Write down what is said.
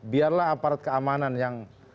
biarlah aparat keamanan yang